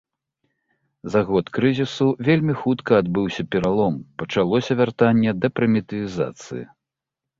За год крызісу вельмі хутка адбыўся пералом, пачалося вяртанне да прымітывізацыі.